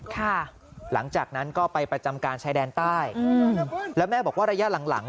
ค่ะหลังจากนั้นก็ไปประจำการใช้แดนใต้แล้วแม่บอกว่าระยะหลัง